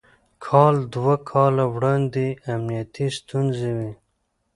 کال دوه کاله وړاندې امنيتي ستونزې وې.